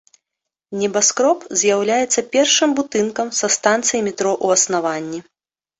Небаскроб з'яўляецца першым будынкам са станцыяй метро ў аснаванні.